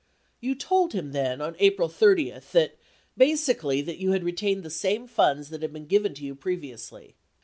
You told him, then, on April 30, that, basi cally that you had retained the same funds that had been given to you previously.